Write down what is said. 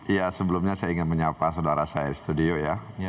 ya sebelumnya saya ingin menyapa saudara saya studio ya